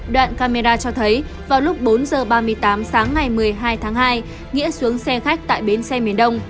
đoạn camera cho thấy vào lúc bốn h ba mươi tám sáng ngày một mươi hai tháng hai nghĩa xuống xe khách tại bến xe miền đông